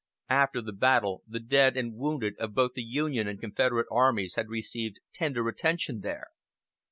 After the battle the dead and wounded of both the Union and Confederate armies had received tender attention there.